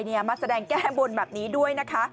มาแสดงแก้บนแบบนี้ด้วยนะคะ